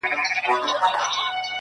و ذهن ته دي بيا د بنگړو شرنگ در اچوم,